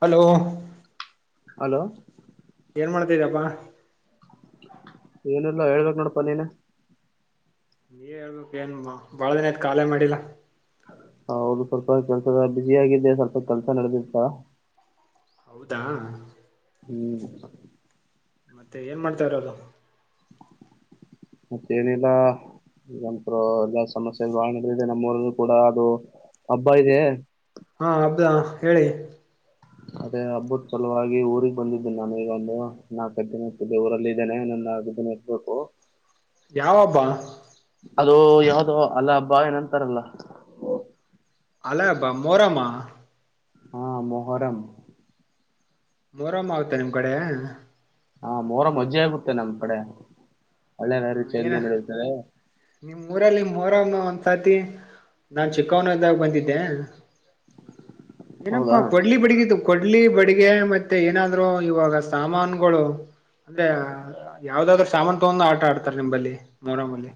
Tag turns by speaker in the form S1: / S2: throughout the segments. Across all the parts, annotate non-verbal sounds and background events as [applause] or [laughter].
S1: Hello.
S2: Hello.
S1: ಏನ್ ಮಾಡ್ತಿದಪ್ಪಾ.
S2: ಏನು ಇಲ್ಲ ಹೇಳ್ಬೇಕ ನೋಡಪಾ ನೀನ.
S1: ನೀವ್ ಹೇಳ್ಬೇಕ ಏನ್ ಬಾಳ ದಿನ ಆಯ್ತ್ ಕಾಲೆ ಮಾಡಿಲ್ಲ.
S2: ಹ ಹೌದು ಸ್ವಲ್ಪ ಕೆಲ್ಸದ ಬಸಿ ಆಗಿದ್ದೆ ಸ್ವಲ್ಪ ಕೆಲ್ಸ ನಡೆದಿತ್ತ.
S1: ಹೌದಾ.
S2: ಹ್ಮ್.
S1: ಮತ್ತೆ ಏನ್ ಮಾಡ್ತಾ ಇರೋದು.
S2: ಮತ್ತೇನಿಲ್ಲ. ಈಗ ಅಂಕ್ರು ಎಲ್ಲ ಸಮಸ್ಯೆ ಭಾಳ ನಡೆದಿದೆ ನಮ್ಮೂರಲ್ಲೂ ಕೂಡ ಅದು ಹಬ್ಬ ಇದೆ.
S1: ಹಾ ಅದಾ ಹೇಳಿ.
S2: ಅದೇ ಹಬ್ಬದ ಸಲುವಾಗಿ ಊರಿಗ್ ಬಂದಿದ್ದೀನಿ ನಾನು ಈಗ ಒಂದು ನಕ್ಕಿದ್ದೀನ ಊರಲ್ಲಿಲ್ಲ ಇದೇನೆ. ಎ [inaudible]
S1: ಯಾವ ಹಬ್ಬಾ.
S2: ಅದು ಯಾವ್ದೋ ಅಲ್ಲ ಭಾವಿನ ಅಂತಾರಲ್ಲ.
S1: ಅಲಬಾ ಮೋರಾಮ.
S2: ಹಾ ಮೊಹರಂ.
S1: ಮೊಹರಂ ಆಗತಾ ನಿಮ್ ಕಡೆ.
S2: ಹಾ ಮೊಹರಂ ಮಜ್ಜೆ ಆಗುತ್ತೆ ನಮ್ ಕಡೆ ಹಳ್ಳೆನ ರುಚಿಯಲ್ಲಿನರುತ್ತದೆ.
S1: ನಿಮ್ಮ್ ಊರಲ್ಲಿ ಮೊಹರನ್ನು ಒಂದ್ಸತಿ ನಾನ್ ಚಿಕ್ಕವನಿದ್ದಾಗ ಬಂದಿದ್ದೆ.
S2: ಹೌದಾ
S1: ಏನಪ್ಪಾ ಕೋಡಲಿ ಬಡಗಿ ತು. ಕೊಡ್ಲಿ ಬಡಿಗೆ ಮತ್ತೆ ಏನಾದ್ರು ಇವಾಗ ಸಾಮಾನುಗಳು. ಅಂದ್ರೆ ಯಾವ್ದಾದ್ರರು ಸಾಮಾನು ತಗೊಂಡ ಆಟ ಆಡ್ತಾರೆ ನಿಂಬಲ್ಲಿ ಮೊಹರಂಮಲ್ಲಿ.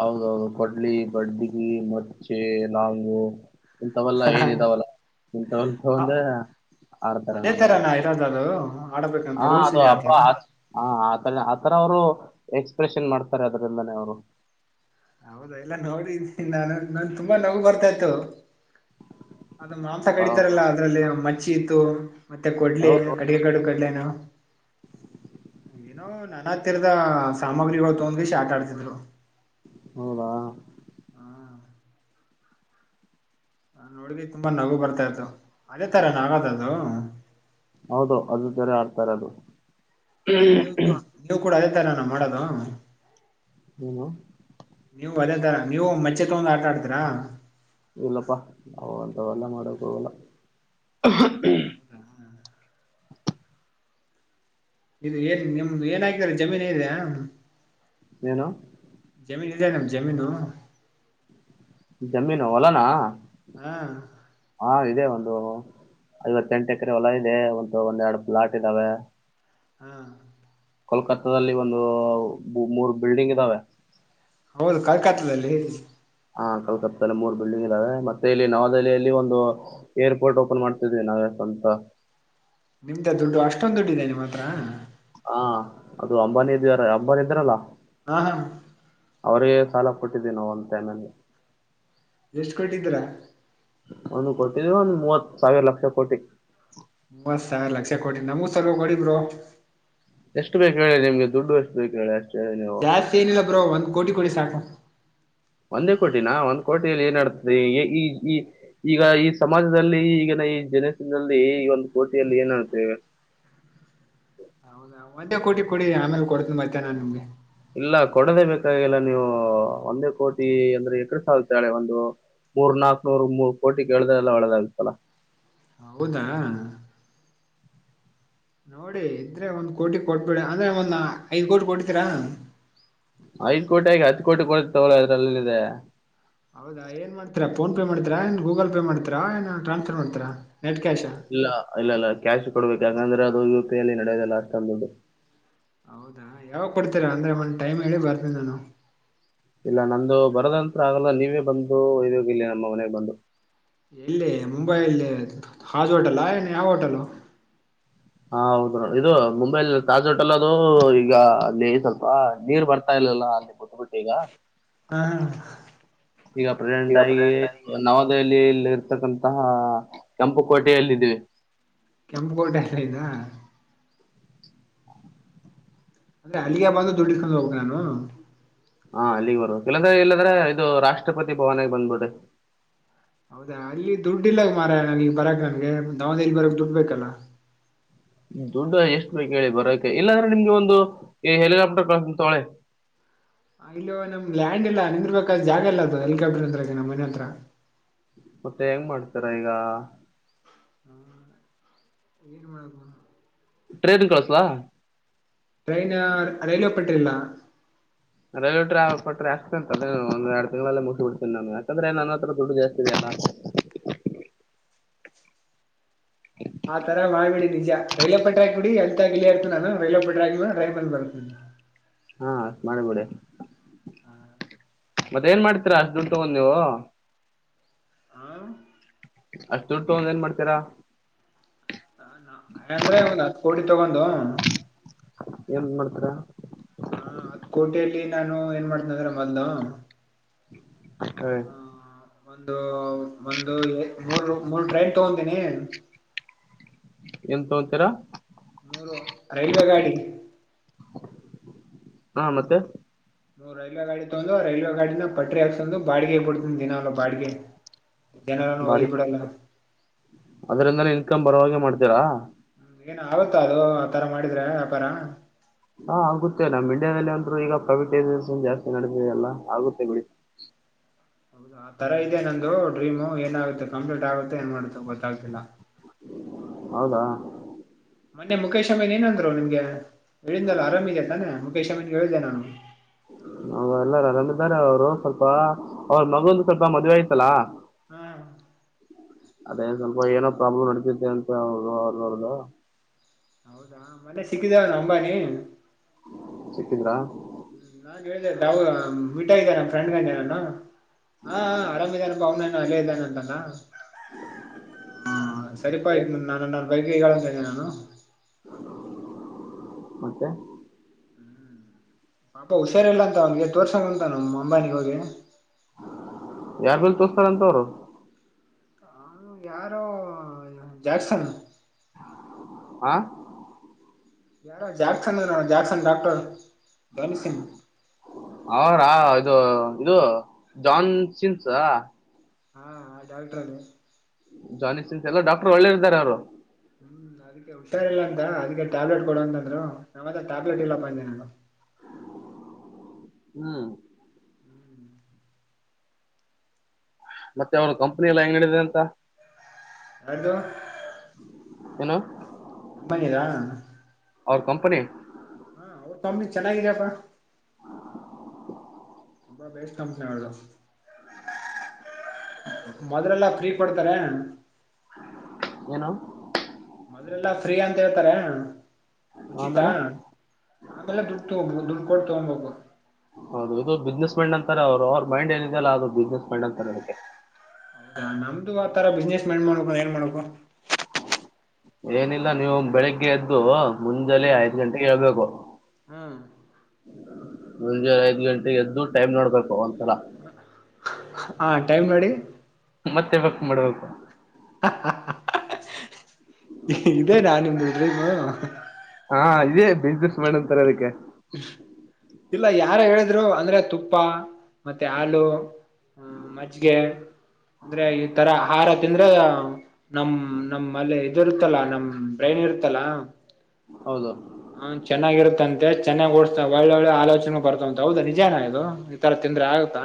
S2: ಹೌದೌದು ಕೊಡ್ಲಿ ಬಡಗಿ ಮಚ್ಚೆ ಲಾಂಗು. ಇಂಥವಲ್ಲ ಏನ್ದಾವಲ್ಲ ಇಂಥವ
S1: ಹ
S2: ತೊಗೊಂಡು.
S1: ಅದೇ ತರ ನಾ ಇರೋದು ಅದು. ಆಡಬೇಕಂತ
S2: ಹಾ
S1: ರೂಲ್ಸ್
S2: ಅದು
S1: ಇದೆ
S2: ಹಬ್ಬ
S1: ಆತರ
S2: ಆ ಹ ಆತ ಆತರ ಅವರು. ಎಕ್ಸ್ಪ್ರೆಷನ್ ಮಾಡ್ತಾರೆ ಅದ್ರಲ್ಲಾನೇ ಅವರು.
S1: ಹೌದಾ ಎಲ್ಲ ನೋಡಿ ನಾನು ನನ್ ತುಂಬಾ ನಗು ಬರ್ತಾ ಇತ್ತು. ಅದು ಮಾಂಸ
S2: ಹೌದು
S1: ಕಡಿತಾರಲ್ಲ ಅದ್ರಲ್ಲಿ ಮಚ್ಚಿ ಇತ್ತು ಮತ್ತೆ ಕೊಡ್ಲೆ
S2: ಹೌದು
S1: ಅಡಗೆ ಕಡು ಕಡ್ಲೆನ. ಏನೋ ನನ್ನ ಹತ್ತಿರದ ಸಾಮಗ್ರಿಗಳು ತೊಗೊಂಡ್ಕ್ಯಾಸಿ ಆಟ ಆಡಿಸಿದ್ರು.
S2: ಹೌದಾ.
S1: ಹಾ. ನಾ ನೋಡ್ಗಿ ತುಂಬಾ ನಗು ಬರ್ತಾ ಇತ್ತು ಅದೇ ತರನಾಗದ ಅದು.
S2: ಹೌದು ಅದು ತರೆ ಆಡ್ತಾರೆ ಅದು.
S1: ನೀವು ನೀವು ಕೂಡ ಅದೇ ತರ ನಾ ಮಾಡದು
S2: ಹ್ಮನು
S1: ಬದೇ ತರ ನೀವು ಮಚ್ಚೆ ತಗೊಂಡ ಆಟ ಆಡ್ತೀರಾ
S2: ಇಲ್ಲಪ್ಪಾ ಅವಂತ ಎಲ್ಲ ಮಾಡೋಕ್ ಹೋಗೋಲ್ಲ.
S1: [inaudible] ಇದು ಏನ್ ನಿಮ್ದ ಏನಕಿದಿಗಾರ ಜಮೀನು ಇದೆಯಾ.
S2: ಏನು.
S1: ಜಮೀನು ಇದೆ ನಮ ಜಮೀನು.
S2: ಜಮೀನು ಹೊಲನಾ.
S1: ಹಾ.
S2: ಹಾ ಇದೆ ಒಂದು ಐವತ್ತೆಂಟು ಎಕರೆ ಹೊಲ ಇದೆ ಒಂತ ಒಂದ್ ಎರಡು ಪ್ಲಾಟ್ ಇದ್ದಾವೆ.
S1: ಹಾ.
S2: ಕೋಲ್ಕತ್ತಲ್ಲಿ ಒಂದು ಮೂರು ಬಿಲ್ಡಿಂಗ್ ಇದ್ದಾವೆ
S1: ಹೌದು ಕಲ್ಕತ್ತಲ್ಲಿ
S2: ಹಾ ಕಲ್ಕತ್ತಲ್ಲಿ ಮೂರ್ ಬಿಲ್ಡಿಂಗ್ ಇದಾವೆ ಮತ್ತೆ ಇಲ್ಲಿ ನವದೆಹಿಯಲ್ಲಿ ಒಂದು ಏರ್ಪೋರ್ಟ್ ಓಪನ್ ಮಾಡ್ತಿದೀವಿ ನಾವೇ ಅಂತ
S1: ನಿಮ್ದೆ ದುಡ್ಡು ಅಷ್ಟೊಂದು ದುಡ್ಡುದೆ ನಿಮ್ಮ ಮಾತ್ರ
S2: ಹಾ ಅದು ಅಂಬಾನಿ ಇದವಾರ ಅಂಬಾನಿ ಇದಾರಲ್ಲ
S1: ಹಾ ಹ್ಮ
S2: ಅವರ ಸಾಲ ಕೊಟ್ಟಿದ್ದೀ ನಾ ಅಂತಮೇಲೆ
S1: ಎಷ್ಟು ಕೊಟ್ಟಿದ್ದೀರ
S2: ಒಂದು ಕೊೋಟ್ಟಿದ ಒಂದು ಮೂವತ್ ಸಾವಿರ ಲಕ್ಷ ಕೋಟಿ
S1: ಬಸ್ ಸಾವ ಲಕ್ಷ ಕೊಡಿ ನಮೂ ಸಲ ಕೊಡಿದರು
S2: ಎಷ್ಟು ಬೇಕು ಹೇಳಿ ನಿಮ್ಗೆ ದುಡ್ಡು ಎಷ್ಟು ಬೇಕು ಹೇಳಿ ಅಷ್ಟು ಹೇಳಿ ನೀವು
S1: ಜಾಸ್ತಿ ಏನಿಲ್ಲ ಬ್ರೋ ಒಂದ್ ಕೋಟಿ ಕೊಡಿ ಸಾಕು
S2: ಒಂದೇ ಕೋಟಿನ ಒಂದ್ ಕೋಟಿಲ್ಲಿ ಏನ್ಡ್ತದೆ ಈ ಈ ಈಗ ಈ ಸಮಾಜದಲ್ಲಿ ಈಗ ಈ ಜನತಿನಲ್ಲಿ ಈ ಒಂದು ಕೋಟಿಯಲ್ಲಿ ಏನ್ತೇವೆ
S1: ಹೌದ ಮಂದೆ ಕೋಟಿ ಕೊಡಿ ಆಮೇಲೆ ಕೊಡ್ತ ಮರ್ತೇನೆ ನಾನ್ ನಿಮ್ಗೆ
S2: ಇಲ್ಲ ಕೊಡದೇ ಬೇಕಾಗಿಲ್ಲ ನೀವು ಒಂದೇ ಕೋಟಿ ಅಂದ್ರೆ ಎಕಡು ಸಾಗುತ್ತಾಳೆ ಒಂದು ಮೂರ್ ನಾಕು ನೂರ್ ಮೂರು ಕೋಟಿ ಕೇಳ್ದ್ರೆಲ್ಲ ಒಳ್ಳೆದಾಗತ್ತಲ್ಲ
S1: ಹೌದಾ ನೋಡಿ ಇದ್ರೆ ಒಂದ್ ಕೋಟಿ ಕೊಟ್ಬಿಡ ಅಂದ್ರೆ ಒಂದ್ ಐದ್ ಕೋಟಿ ಕೊಟ್ಟತೀರಾ
S2: ಐದ ಕೋಟಿ ಆಗಿ ಹತ್ತು ಕೋಟಿ ಕೊಡತವಳ ಅದ್ರಲ್ಲಿದೆ
S1: ಫೋನ್ಪೇ ಮಾಡ್ತಿರಾ ಏನು ಗೂಗಲ್ ಪೇ ಮಾಡ್ತೀರಾ ಏನು ಟ್ರಾನ್ಫರ್
S2: ಇಲ್ಲ ಇಲ್ಲ ಇಲ್ಲ ಕ್ಯಾಶ್ ಕೊಡ್ಬೇಕು ಯಾಕಂದ್ರೆ ಅದು ಯು ಪಿ ಅಲ್ಲಿ ನಡೆಯೋದಲ್ಲ ಅಷ್ಟೊಂದು ದುಡ್ಡು
S1: ಹೌದಾ ಯಾವಾಗ ಕೊಡ್ತೀರಾ ಅಂದ್ರೆ ಮನ್ ಟೈಮ್ ಹೇಳಿ ಬರ್ತೀನಿ ನಾನು
S2: ಇಲ್ಲ ನಂದು ಬರದಂತ್ರ ಆಗಲ್ಲ ನೀವೇ ಬಂದು ಇೋಗ ಇಲ್ಲಿ ನಮ್ಮ ಮನೆಗ್ ಬಂದು
S1: ಎಲ್ಲಿ ಮುಂಬೈ ಇಲ್ಲಿ ಹಾಜ್ ಹೋಟೆಲ್ಾ ಏನ ಯಾವ ಹೋಟೆಲ್
S2: ಹ ಹೌದು ಇದು ಮುಂಬೈಲಿ ತಾಜ್ ಹೋಟೆಲ್ಲ ಅದು ಈಗ ಅಲ್ಲಿ ಸ್ವಲ್ಪ ನೀರ್ ಬರ್ತಾ ಇಲ್ಲ ಲ್ಲಾ ಅೆ ಗೊತ್ತು ಬಿಟ್ಟು ಈಗ
S1: ಹಾ
S2: ಈಗ ಪ್ರೆಸೆಂಟ್ ಆಗಿ ನವದೆಹಲಿಿಯ ಇರ್ತಕ್ಕಂತಹ ಕೆಂಪು ಕೋಟೆಯಲ್ಲ ಇದೀವಿ
S1: ಕೆಂಪು ಕೋಟೆ ಎಲ್ಲ ಇದ ಅಂದ್ರೆ ಅಲ್ಲಿಯ ಬಂದು ದುಡ್ಡಿಕೊಂಡ್ ಹೋಗ ನಾನು
S2: ಹಾ ಅಲ್ಲಿಗೆ ಬರುವ ಕೆಲಂದ್ರ ಇಲ್ಲದ್ರೆ ಇದು ರಾಷ್ಟ್ರಪತಿ ಭವನಗೆ ಬಂದಬೋದೆ
S1: ಹೌದಾ ಅಲ್ಲಿ ದುಡ್ ಇಲ್ಲ ಮಾರ ನನ್ಗ್ ಬರಕ್ ನನ್ಗೆ ದವದಿಯಲಿ ಬರಕ್ ದುಡ್ ಬೇಕಲ್ಲ
S2: ದುಡ್ಡ ಎಷ್ಟು ಬೇಕ ಕೇಳಿ ಬರೋಕೆ ಇಲ್ಲಾಂದ್ರೆ ನಿಮ್ಗೆ ಒಂದು ಈ ಹೆಲಿಕಾಪ್ಟರ್ ಕ ತೊಳೆ
S1: ಹ ಇಲ್ಲೋ ನಮ್ ಲ್ಯಾಂಡ್ ಇಲ್ಲ ನಿಂದರ್ಬೇಕಾದ್ ಜಾಗ ಇಲ್ಲ ಅದು ಹೆಲಿಕಾಪ್ಟರ್ ಅಂದತ್ರ ನಮ್ಮ ಮನೆ ಹತ್ರ
S2: ಮತ್ತೆ ಹೆಂಗ ಮಾಡ್ತರ ಈಗ
S1: ಹ್ಮ ಏನು ಮಾಡಕಣ
S2: ್ರೇನ್ ಕ್ಳಸ್ಲ
S1: ಟ್ರೈನ್ ರೈಲ್ವೆ ಪಟ್ಟ್ರಿಲ್ಲ
S2: ರೈಲ್ ಟ್ರ ಪಟ್ಟ್ರ ಆಕ್ಸೆ ಅ ಒಂದ ಎರ ತಿಂಲ್ಲ ಮುಗಬ ಬಿಡ್ತೇನೆ ನು ಯಾಕಂದ್ರೆ ನನ್ನ ಹತ್ರ ದುಡ್ಡು ಜಾಸ್ತಿಿದೆ ಹಾ
S1: ಆ ತರ ಮಾಡ್ಬಿಡಿ ನಿಜ ರೈಲ್ವೆ ಪಟ್ರಾಕ್ ಬಿಡಿ ಎಲ್ತ ಗಿಿಯೇರ್ತ ನಾನು ರೈಲ್ವೆ ಪಟ್ರಾಕ್ ರೈಲ್ ಬತ ಹ್ಮ
S2: ಹಾ ಮಾಡಿ ಮಾಡ ಮತ್ತ ಏನ್ ಮಾಡ್ತೀರಾ ಅಷ್ಟ ದುಡ್ ತಗೊಂಡ್ ನೀವು
S1: ಹ
S2: ಅಷ್ಟ ಟ್ಟು ಒಂದ ಏನ್ ಮಾಡ್ತಾರ
S1: ಹಾಗ ಅಂದ್ರೆ ಒಂದ್ ಹತ್ತು ಕೋಟಿ ತಗೊಂಡು
S2: ಏನ್ ಮಾಡ್ತರ
S1: ಹ ಅತ್ ಕೋಟಲ್ಲಿ ನಾನು ಏನ್ ಮಾಡ್ತನ ಅಂದ್ರ ಮದ
S2: ಹ್ಮ
S1: ಒಂದು ಒಂದು ಮೂರ್ ಮೂರ್ ಟ್ರೈನ್ ತಗೊಂಡೀನಿ
S2: ಎ ತೊತೀರಾ
S1: ಮೂರು ರೈಲ್ವೆ ಗಾಡಿ
S2: ಹಾ ಮತ್ತೆ
S1: ನೋವು ರೈಲ್ವೆ ಗಾಡಿ ತಗೊಂಡ್ ರೈಲ್ವೆ ಗಾಡಿನ ಪಟರಿ ಹಾಕಂದು ಬಾಡಿಗೆ ಬಿಡ್ ತು ದಿನ ಎಲ್ಲ ಬಾಡಿಗೆ ದಿನಲ್ಲಾನ ಹಯ್ದ್
S2: ಬಾಡಿಗೆ
S1: ಬಿಡಲ್ಲ
S2: ಚಕ್ಕಂಬರವಾಗಿೆ ಮಾಡ್ತೀರಾ
S1: ಏನ ಆಗುತ್ತಾ ಅದು ಆ ತರ ಮಾಡಿದ್ರೆ ವ್ಯಾಪಾರ
S2: ಹಾ ಆಗುತ್ತೆ ನಮ್ ಇಂಡ್ಯಾದಲ್ಲಿ ಅಂದ್ರು ಈಗ ಪ್ರವಿಟ ಜಾಸ್ತಿ ನಡೆದಿದೆ ಅಲ್ಲ ಆಗುತ್ತೆ ಬಿಡಿ
S1: ಹೌದ ಆ ತರ ಇದೆ ನಂದು ಡ್ರೀಮು ಏನಾಗುತ್ತೆ ಕಂಪ್ಲೀಟ್ ಆಗುತ್ತೆ ಏನ್ ಮಾಡುತ್ತೆ ಗೊತ್ತಾಗ್ತಿಲ್ಲಾ
S2: ಹೌದಾ
S1: ಮೊನ್ನೆ ಮುಖೇಶ್ ಅಮ್ಮೀನ್ ಏನಂದ್ರು ನಿಮ್ಗೆ ಹೇಳಿಂದಲ್ಲ ಆರಾಮಿದೆ ತಾನೆ ಮುಖೇಶ್ ಅಮ್ಮೀನ್ ಹೇಳಿದೆೆ ನಾನು
S2: ಅವ ಎಲ್ಲಾರ ಆರಾಮ ಇದಿದ್ದಾರೆ ಅವರು ಸ್ವಲ್ಪ ಅವ್ರ ಮಗುಂದು ಸ್ವಲ್ಪ ಮದ್ೆ ಆಯ್ತಲ್ಲಾ
S1: ಹ್ಮ
S2: ಅದೇ ಸ್ವಲ್ಪ ಏನೋ ಪ್ರಾಬ್ಲಮ್ ನಡತಿದೆೆ ಅಂತ ಅವೋರ್್ದ
S1: ಹ ಮತ್ತೆ ಸಿಕ್ಕಿದವ ಅಂಬಾನಿ
S2: ಸಿಕ್ಕಿದ್ರಾ
S1: ಹ್ಮ ನಾನ್ ಹೇಳಿದೆ ಮಿಟ ಇದ್ದ ನ ಫ್ರೆಂಡ್ ಗಂಡಾನ ಹಾ ಆರಾಮ ಇದಾನೆ ಬಾವನಾನ ಅಲ್ಲೇ ಇದ್ದಾನೆ ಅಂತಲ್ಲ ಹಾ ಸರಿಪಾತ ನಾನು ನಾನು ಬೈಕೈ ಕಳಂನೆ ನಾನು
S2: ಮತ್ತೆ
S1: ಹ್ಮ್ ಪಾಪ ಹುಷಾರಲ್ಲ ಅಂತ ಅವನ್ಗೆ ಎತ್ ವರ್ಷಗಂತ ನಮ ಅಂಬಾನಿಿಗೆ ಹೋಗಿ
S2: ಆಗ ತೋ ಸ್ಸರ ಅಂತ ಅವರ
S1: ಹ ಯಾರು ಜಾಕ್ಸನ್
S2: ಹಾ
S1: ಯಾರ ಜಾಕ್ಸನ್ ಏನೋ ಜಾಕ್ಸನ್ ಡಾಕ್ಟರ್ ಜಾನಿಸನ್
S2: ಅವಾ ಇದು ಇದು ಜಾನ್ ಸಿನ್ಸ್
S1: ಹಾ ಡಾಕ್ಟ್ರ ಅಲ್ಲಿ
S2: ಜಾನಿಸ ಸಿನ್ಸ್ ಎಲ್ಲ ಡಾಕ್ರ್ ಒಳ್ಳೇ ಇರ್ತಾರೆ ಅವರು
S1: ಹ್ಮ್ ಅದಕ್ಕೆ ಉುಟ್ಟಾರ ಇಲ್ಲ ಅಂತ ಅದಕ್ಕೆ ಟ್ಯಾಬ್ಲೆಟ್ ಕೊಡಂತಂದ್ರು ನಮ್ಮತ್ರ ಟ್ಯಾಬ್ಲೆಟ್ ಇಲ್ಲ ಬನ್ನೆ ನಾನು
S2: ಹ್ಮ ಮತ್ತೆ ಅವ್ರ ಕಂಪನಿ ಎಲ್ಲ ಹೆಂಗ್ಿದೆ ಅಂತ
S1: ನದುು
S2: ಏನ
S1: ಅಂಬಾನಿದಾ
S2: ಅವ ಕಂಪನಿ
S1: ಹಾ ಅವ್ರ ಕಮ್ಮಿ ಚೆನ್ನಾಗಿದಪ್ಪ ತುಂಬಾ ಬೇಸ್ ಕಂಪನಿ ಅವದ ಮದ್ರಲ್ಲಾ ಫ್ರೀ ಕೊಡ್ತಾರೆ
S2: ಏನು
S1: ಅದ್ರೆಲ್ಲಾ ಫ್ರೀ ಅಂತ ಹೇಳ್ತಾರೆ ಉಚಿತ
S2: ಆಮೇಲೆ
S1: ಆಮೇಲೆ ದುಡ್ಬ ದು ಕೊಡ್ ತೋ್
S2: ಹೌದು ಇದು ಬಿಸ್ನೆಸ್ ಮ್ಯಾಂಡ್ ಅಂತಾರೆ ಅವ್ರು ಅವ್ರ ಮೈಂಡ್ ಏನಿದೆ ಅಲ್ಲ ಅದು ಬಿಸ್ನೆಸ್ ಮ್ಯಾಂಡ್ ಅಂತಾರೆ ಅದಕ್ಕೆ
S1: ನಮ್ದು ಆತರ ಬಿಸ್ನೆಸ್ ಮಂಡ್ ಮಾಡ್ಕ ಅಂದ ಏನ್ ಮಾಡ್ಬೇಕು
S2: ಏನಿಲ್ಲ ನೀವು ಬೆಳಿಗ್ಗೆ ಎದ್ದು ಮುಂಂದಲ್ಲ
S1: ಹ್ಮ್
S2: ಐದ ಗಂಟೆಗೆ ಹೇಳ್ಬೇಕು
S1: ಹ್ಮ್
S2: ಮುಂೆ ಐದು ಗಂಟೆಗೆ ಎದು ಟೈಮ್ ನೋಡ್ಬೇಕು ಒಂದ್ಸಲ
S1: ಹಾ ಟೈಮ್ ನೋಡಿ
S2: ಮತ್ತೆ ಬಕ್ ಮಾಡ್ಬೇಕು
S1: ಇದೇ ನಾನುಂಬದಾಯಗ
S2: ಹಾ ಇದೇ ಬಿಸ್ನೆಸ್ ಮಾಡಂತಾರೆ ಅದಕ್ಕೆ
S1: ಇಲ್ಲ ಯಾರ ಹೇಳಿದ್ರು ಅಂದ್ರೆ ತುಪ್ಪ ಮತ್ತೆ ಹಾಲು ಹ್ಮ ಮಜ್ಿಗೆ ಅಂದ್ರೆ ಈ ತರ ಹಹಾರ ತಿಂದ್ರೆ ನಮ ನಮ್ಮ್ಲೆ ಇದದುರುತ್ತಲ್ಲ ನಮ್ ಬ್ರೈನ್ ಇರ್ತಲಾ
S2: ಹೌದು
S1: ಹ ಚೆನ್ನಾಗಿರುತ್ತಂತೆ ಚೆನ್ನಾಗ ಓಡಸ್ತ ಒಳ್ಳೆ ಒಳ್ಳೆ ಆಲೋಚನೆ ಬರ್ತವಂತ ಹೌದಾ ನಿಜಾನ ಇದು ಈ ತರ ಂದ್ರೆ ಆಗತ್ತಾ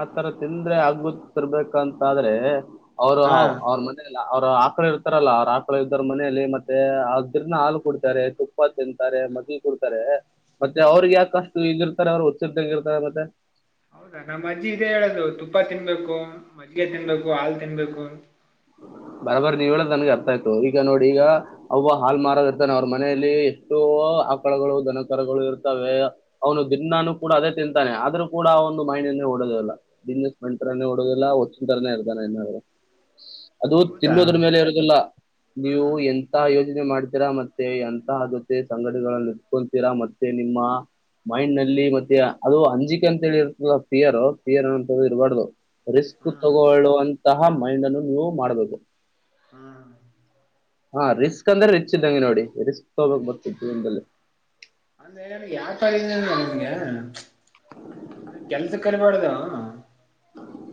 S2: ಆತರ ತಿಂದ್ರೆ ಆಗ್ಿರ್ಬೇಕಂತಾದ್ರೆ ಅವರು
S1: ಹಾ
S2: ಅವ್ರ ಮನ ಅವ್ರು ಆಕಳ ಇರ್ತಾರಲ್ಲ ಅವ್ರ ಆಕಳ ಇದ್ದ್ರ ಮನೆಯಲ್ಲಿ ಮತ್ತೆ ಅದ್ರನ್ನ ಹಾಲು ಕುಡ್ತಾರೆ ತುಪ್ಪ ತಿಂತಾರೆ ಮದುವವಿ ಕೊಡ್ತಾರೆ ಮತ್ತೆ ಅವ್ರಗ್ ಯಾಕಷ್ಟು ಈಗಿರ್ತಾರೆ ಅವ್ರ ಹೊಚ್ಚಿದಂಗ ಇರ್ತಾರೆ ಮತ್ತೆ
S1: ಹೌದಾ ನಮ್ಮ್ ಅಜ್ಜಿ ಇದೇ ಹೇಳದು ತುಪ್ಪ ತಿನ್ಬೇಕು ಮಜ್ಜಿಗೆ ತಿನ್ಬೇಕು ಹಾಲು ತಿನ್ಬೇಕು
S2: ಬರಬಾರ ನೀವ ಹೇಳ ನನ್ಗೆ ಅರ್ಥ ಆಯ್ತು ಈಗ ನೋಡಿ ಈಗ ಅವಬ್ಬ ಹಾಲ್ ಮಾರೋದ ಇರ್ತಾನೆ ಅವ್ರ ಮನೆಯಲ್ಲಿ ಎಷ್ಟೋ ಆಕಳಗಳು ದನಕರಗಳು ಇರ್ತವೆ ಅವನು ದಿನಾನು ಕೂಡ ಅದೇ ತಿಂತಾನೆ ಆದ್ರೂ ಕೂಡ ಒಂದು ಮೈನಸ್ ಓಡೋದಲ್ಲ ಬಿಸ್ನೆಸ್ ಬಂಟರನೇ ಓಡೋದಿಲ್ಲ ಹೊದಟಾರನೆೇ ಇರ್ತಾನೆ ಇನ್ನಾದ್ರು ಅದು
S1: ಹೌದಾ
S2: ತಿನ್ನೋದ್ರ ಮೇಲೆ ಇರೋದಿಲ್ಲ
S1: ಹಾ
S2: ನೀವು ಎಂತ ಯೋಜನೆ ಮಾಡ ತ ಮತ್ತೆ ಎಂತ ಜೊುತ್ತೆ ಸಂಘಟನ್ನ ಇಡ್ಕೊಳ್ತೀರಾ ಮತ್ತೆ ನಿಮ್ಮ ಮೈಂಡ್ ನಲ್ಲಿ ಮತ್ತೆ ಅದು ಅಂಜಿಕೆ ಅಂತ ಹೇಳಿ ಇರ್ತದ ಿಯರ್ ಿಯರ್ ಅಂತ ಇರಬಾರ್ದು ರಿಸ್ ು
S1: ಹಾ
S2: ತಗೊಳ್ಳುವಂತಹ ಮೈಂಡ್ ಅನ್ನು ನೀವು ಮಾಡಬೇಕು
S1: ಹಾ
S2: ಹಾ ರಿಸ್ಕ್ ಅಂದ್ರೆ ರಿಚ್್ದಂಗೆ ನೋಡಿ ರಿಸ್ಕ್ ತಗೋಬಕ್ ಬರ್ತತ್ತು ದೀನದಲ್ಲಿ
S1: ಅಂದ ನ್ರ ಯಾವ ತರ ಅ ನಿನ್ಗೆ ಅಂದೆ ಕೆಲ್ಸ ಕಲಿಬಾರಡ್ದ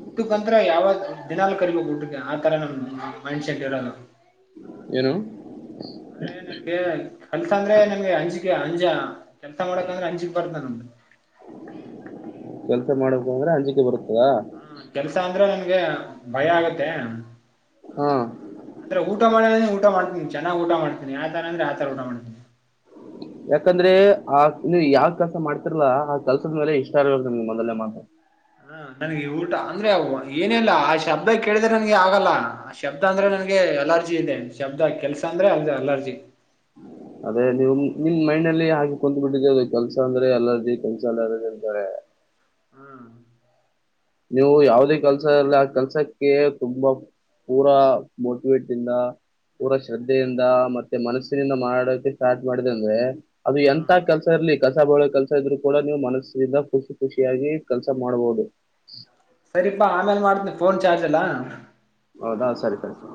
S1: ಊಟಕ್ಕಂದ್ರ ಯಾವ ದಿನಾಲ ಕರಿಬೇಕ ಊಟಕ್ಕೆ ಆತರ ನಮ ಮೈಂಡ್ ಸೆಟ್ ಇರಲ್ಲ
S2: ಏನು
S1: ಅಂದ್ರೆ ನನ್ಗೆ ಕಲ್ಸ ಅಂದ್ರೆ ನನ್ಗೆ ಅಂಜಿಕ ಅಂಜ ಎತ್ತ ಮಡಕಂದ ಅಂಜಿ ಬರತ
S2: ಕೆಲಸ ಮಾಡಬೇಕ ಅಂದ್ರೆ ಅಂಜೆರುತ್ತೆ
S1: ಹಾ ಕೆಲ್ಸ ಅಂದ್ರೆ ನನ್ಗೆ ಭಯ ಆಗತ್ತೆ
S2: ಹಾ
S1: ಅಂದ್ರೆ ಊಟ ಮಾಡ ಊಟ ಮಾಡ್ತ ಚೆನ್ನ್ಊಟ ಮಾಡ್ತನಿ ಆ ತರ ಅ್ರೆ ಆ ತರಊ ಮಾಡ್ತನಿ
S2: ಯಾಕಂದ್ರೆ ಆ ಯಾವ ಕೆಲಸ ಮಾಡ್ತಿರ್ಲಾ ಆ ಕೆಸದ ಮೇಲೆ ಇಷ್ಟ ಇರ್ಬೇಕ ನಿಮ ಮೊದಲೇ ಮಾತಾ
S1: ಹ ನನಗೆ ಊಟ ಅಂದ್ರೆ ಏನಿಲ್ಲ ಆ ಶಬ್ದ ಕೇಳಿದ್ರೆ ನನ್ಗೆ ಆಗಲ್ಲ ಆ ಶಬ್ದ ಅಂದ್ರೆ ನನ್ಗೆ ಗೆ ಅಲರ್ಜಿ ಇದೆ ಶಬ್ದ ಕೆಲ್ಸ ಅಂದ್ರೆ ಅ ಅಲರ್ಜಿ
S2: ಅದೇ ನೀವು ನಿಮ್ ಮೈಂಡ್ ಅಲ್ಲಿ ಹಾಗೆ ಕುತ್ ಬಿಿಟ್ಟಿದೆೆ ಅದು ಕೆಲ್ಸ ಅಂದ್ರೆ ಎಲ್ಲದಿ ಕೆಲ್ಸ ಅಲ್ಲಿ ಅಂತಾರೆೆ
S1: ಹ್ಮ
S2: ನೀವು ಯಾವದೇ ಕೆಲ್ಸ ಅಲ್ಲ ಆ ಕೆಲ್ಸಕ್ಕೆ ತುಂಬಾ ಪೂಾ ಮೋಟವೇಟ್ ಇಿಂದ ಪಊರ ಶ್ರದ್ಧೆಯಿಂದ ಮತ್ತೆ ಮನಸ್ಸಿನಿಂದ ಮಾಡಾಡೋಕ ಸ್ಟಾರ್ಟ್ ಮಾಡಿದೆ ಅಂದ್ರೆ ಅದು
S1: ಹಾ
S2: ಎಂತ ಕೆಲ್ಸ ಇ ಲ್ಲಿ ಕಸ ಬಳ ಕೆಲ್ಸ ಇದ್ರು ಕೂಡ ನೀವು ಮನಸ್ಸಿನಿಂದ ಖುಷಿ ಖುಷಿಯಾಗಿ ಕೆಲಸ ಮಾಡ್ಬಹುದು
S1: ಸರಿಪಾ ಆಮೇಲೆ ಮಾಡ್ತನಿ ಫೋನ್ ಚಾರ್ಜ್ ಅಲ್ಲ
S2: ಹೌದಾ ಸರಿ ಸರಿರಿ